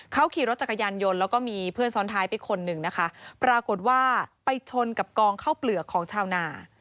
เขาขี่รถจักรยานยนต์แล้วก็มีเพื่อนซ้อนท้ายไปคนหนึ่งนะคะปรากฏว่าไปชนกับกองเข้าเปลือกของชาวนา